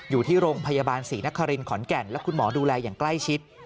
อยู่ที่โรงพยาบาลศรีนครินขอนแก่นและคุณหมอดูแลอย่างใกล้ชิด